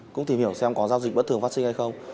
cũng tìm hiểu xem có giao dịch bất thường phát sinh hay không